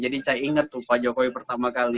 jadi saya inget tuh pak jokowi pertama kali